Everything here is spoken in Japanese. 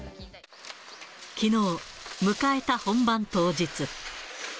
きのう、迎えた本番当日。